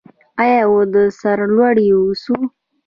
آیا او سرلوړي اوسو؟